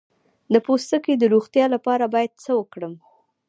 د پوستکي د روغتیا لپاره باید څه وکړم؟